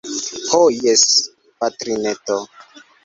Ho jes, patrineto.